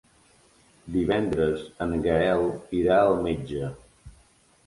Divendres en Gaël irà al metge.